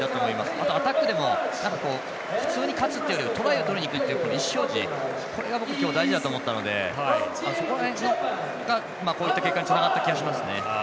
あと、アタックでも普通に勝つというよりはトライをとりにいくという意思表示が大事だと思ったのでそこら辺が、こういった結果につながった気がしますね。